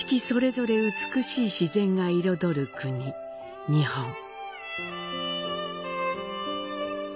それぞれ美しい自然が彩る国、日本。